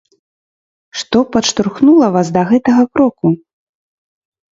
Што падштурхнула вас да гэтага кроку?